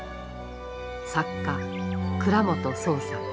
作家倉本聰さん